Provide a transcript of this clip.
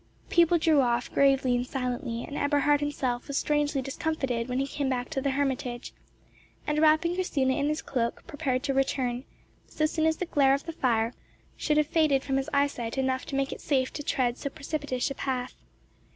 People drew off gravely and silently, and Eberhard himself was strangely discomfited when he came back to the hermitage, and, wrapping Christina in his cloak, prepared to return, so soon as the glare of the fire should have faded from his eyesight enough to make it safe to tread so precipitous a path.